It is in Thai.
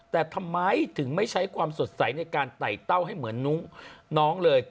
แต่ทำไมถึงไม่ใช้ความสดใสในการไต่เต้าให้เหมือนน้องเลย